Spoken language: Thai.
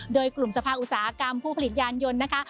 โดยกลุ่มสภาอุตสาหกรรมผู้ผลิตยานยนต์นะคะ